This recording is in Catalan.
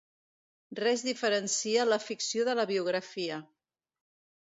Res diferencia la ficció de la biografia.